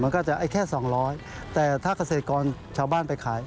มันก็จะไอ้แค่๒๐๐แต่ถ้าเกษตรกรชาวบ้านไปขาย